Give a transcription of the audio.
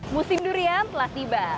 musim durian telah tiba